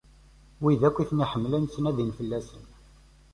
Wid akk i ten-iḥemmlen ttnadin fell-asen.